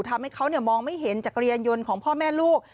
ทำให้เขามองไม่เห็นจักรยานยนต์ของพ่อแม่ลูก